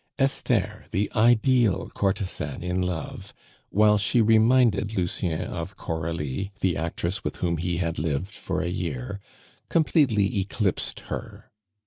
Esther, the ideal courtesan in love, while she reminded Lucien of Coralie, the actress with whom he had lived for a year, completely eclipsed her.